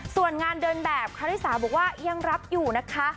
ส่วนงานเดินแบบคาริสาบอกว่ายังรับอยู่นะคะ